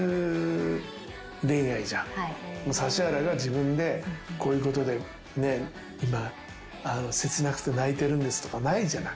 指原が自分でこういうことで今切なくて泣いてるんですとかないじゃない。